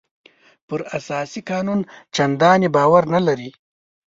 پر اساسي قانون چندانې باور نه لري.